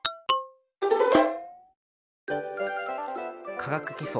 「化学基礎」